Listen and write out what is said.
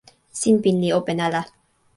sinpin li open ala.